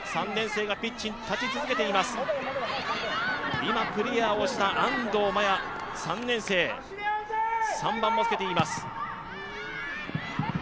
今、クリアをした安藤麻耶３年生、３番をつけています。